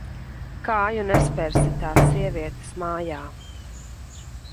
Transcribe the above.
Kāju nespersi tās sievietes mājā.